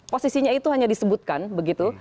posisinya itu hanya disebutkan begitu